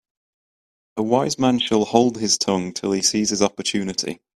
A wise man shall hold his tongue till he sees his opportunity.